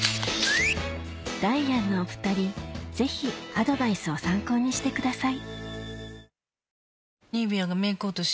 ダイアンのお２人ぜひアドバイスを参考にしてください